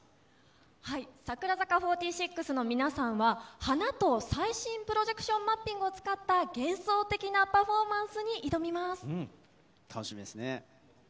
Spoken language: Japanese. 櫻坂４６の皆さんは花と最新プロジェクションマッピングを使った幻想的なパフォーマンスに挑楽しみですね。